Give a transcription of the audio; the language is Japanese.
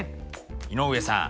井上さん。